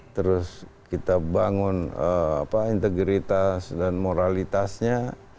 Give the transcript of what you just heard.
terus kita bangun integritas dan moralitasnya